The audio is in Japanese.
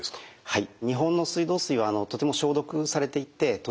はい。